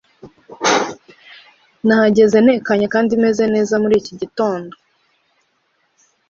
Nahageze ntekanye kandi meze neza muri iki gitondo.